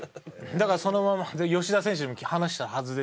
だからそのまま吉田選手にも話したはずですよ。